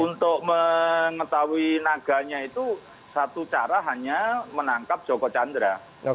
untuk mengetahui naganya itu satu cara hanya menangkap joko chandra